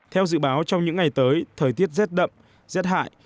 theo dự báo trong những ngày tới thời tiết rét đậm rét hại